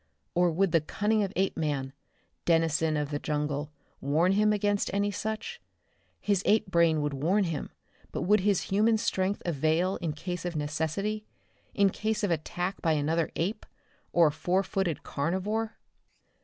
Or would the cunning of Apeman, denizen of the jungle, warn him against any such? His ape brain would warn him, but would his human strength avail in case of necessity, in case of attack by another ape, or a four footed carnivore?